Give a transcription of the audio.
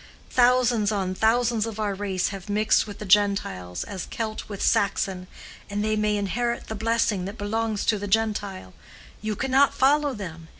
Thousands on thousands of our race have mixed with the Gentiles as Celt with Saxon, and they may inherit the blessing that belongs to the Gentile. You cannot follow them.